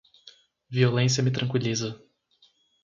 Violência me tranquiliza.